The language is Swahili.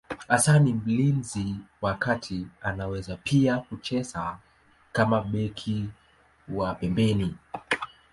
Hasa ni mlinzi wa kati, anaweza pia kucheza kama beki wa pembeni.